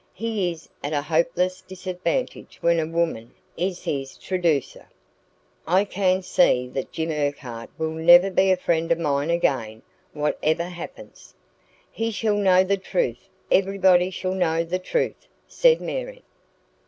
He is at a hopeless disadvantage when a woman is his traducer. I can see that Jim Urquhart will never be a friend of mine again, whatever happens." "He shall know the truth. Everybody shall know the truth," said Mary.